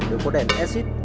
đều có đèn exit